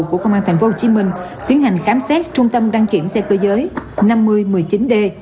của công an tp hcm tiến hành khám xét trung tâm đăng kiểm xe cơ giới năm nghìn một mươi chín d